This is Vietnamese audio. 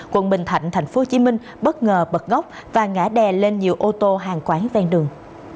quận bình thạnh tp hcm bất ngờ bật gốc và ngã đè lên nhiều ô tô hàng quán ven đường